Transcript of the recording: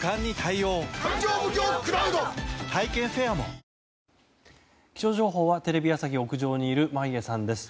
三菱電機気象情報はテレビ朝日屋上にいる眞家さんです。